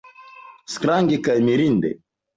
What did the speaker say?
Strange kaj mirinde!